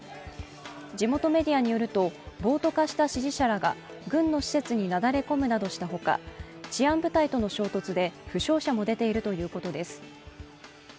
地元メディアによると暴徒化した支持者らが軍の施設になだれ込むなどしたほか、治安部隊との衝突で負傷者も出ているということです。